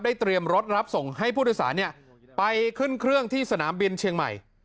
เตรียมรถรับส่งให้ผู้โดยสารไปขึ้นเครื่องที่สนามบินเชียงใหม่